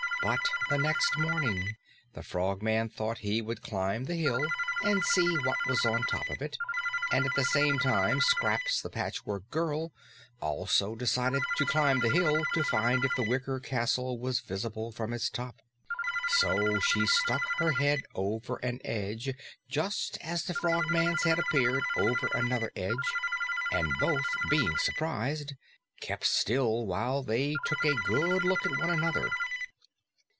But the next morning, the Frogman thought he would climb the hill and see what was on top of it, and at the same time Scraps, the Patchwork Girl, also decided to climb the hill to find if the wicker castle was visible from its top. So she stuck her head over an edge just as the Frogman's head appeared over another edge, and both, being surprised, kept still while they took a good look at one another.